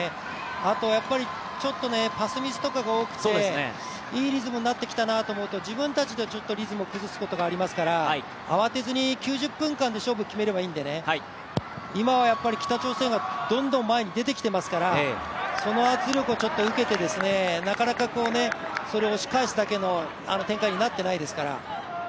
あと、ちょっとパスミスとかが多くて、いいリズムになってきたなと思うと、自分たちのリズムを崩すことがありますから慌てずに９０分間で勝負決めればいいんでね、今は北朝鮮がどんどん前に出てきていますから、その圧力を受けて、なかなかそれを押し返すだけの展開になっていないですから。